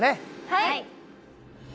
はい！